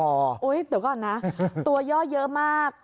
เดี๋ยวก่อนนะตัวย่อเยอะมาก